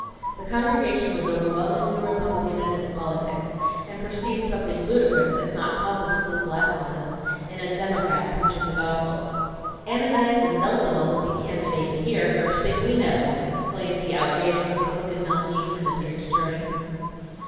The congregation was overwhelmingly Republican in its politics, and perceived something ludicrous, if not positively blasphemous, in a Democrat preaching the gospel. ("Ananias and Beelzebub'll be candidatin' here, first thing we know!" exclaimed the outraged Republican nominee for district attorney.)